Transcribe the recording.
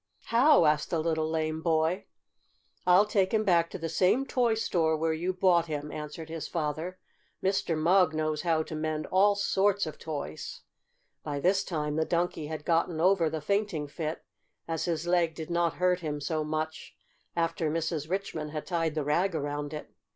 "How?" asked the little lame boy. "I'll take him back to the same toy store where you bought him," answered his father. "Mr. Mugg knows how to mend all sorts of toys." By this time the Donkey had gotten over the fainting fit, as his leg did not hurt him so much after Mrs. Richmond had tied the rag around it.